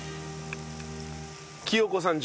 聖子さん